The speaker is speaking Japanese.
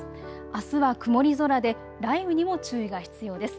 あすは曇り空で雷雨にも注意が必要です。